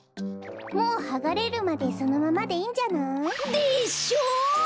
もうはがれるまでそのままでいいんじゃない？でしょ？